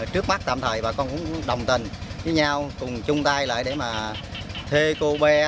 trước mắt tạm thời bà con cũng đồng tình với nhau cùng chung tay lại để mà thuê cô be